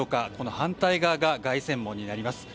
反対側が凱旋門になります。